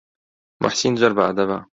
موحسین زۆر بەئەدەبە.